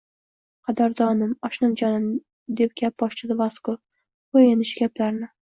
Qadrdonim, oshnajonim, – deb gap boshladi Vasko, – qoʻy endi shu gaplarni.